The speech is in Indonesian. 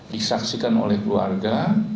disaksikan oleh keluarga